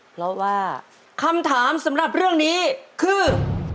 เพราะว่าคำถามสำหรับเรื่องนี้คือ